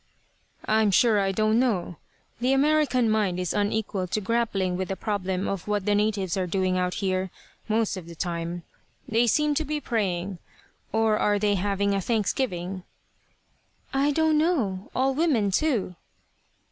"I'm sure I don't know. The American mind is unequal to grappling with the problem of what the natives are doing out here, most of the time. They seem to be praying. Or are they having a thanksgiving?" "I don't know. All women, too!"